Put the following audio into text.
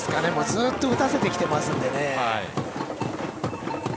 ずっと打たせてきていますので。